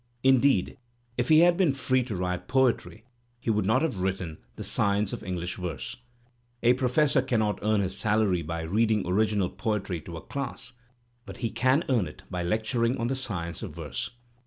Indeed, if he had been free to write poetry, he would not have written "The Science of English Verse." A professor cannot earn his salary by read ing original poetry to a class, but he can earn it by lectur ing on the science of verse.